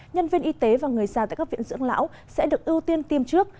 nhân viên y tế và người già tại các viện dưỡng lão sẽ được ưu tiên tiêm trước